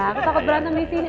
aku takut berantem di sini